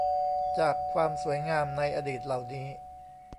จากความสวยงามในอดีตเหล่านี้